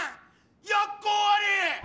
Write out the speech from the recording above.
薬効あり！